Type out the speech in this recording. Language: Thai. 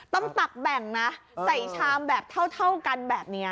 ตักแบ่งนะใส่ชามแบบเท่ากันแบบนี้